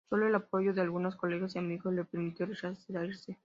Sólo el apoyo de algunos colegas y amigos le permitió rehacerse.